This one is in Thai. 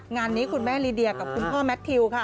งานนี้คุณแม่ลีเดียกับคุณพ่อแมททิวค่ะ